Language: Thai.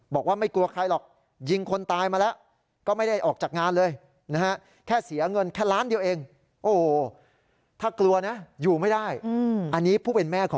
บอกว่าไม่กลัวใครหรอก